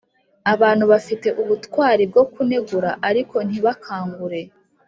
abantu bafite ubutwari bwo kunegura ariko ntibakangure.